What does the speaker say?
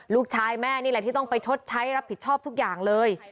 ลูกชายแม่นี่แหละที่ต้องไปชดใช้รับผิดชอบทุกอย่างเลย